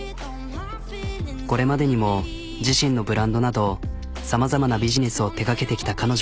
これまでにも自身のブランドなどさまざまなビジネスを手がけてきた彼女。